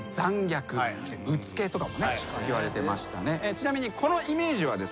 ちなみにこのイメージはですね